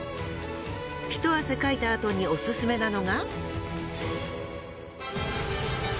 一汗かいたあとにオススメなのが。